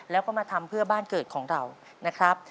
แล้วก็มาทำเพื่อบ้านเกิดของเรานะครับ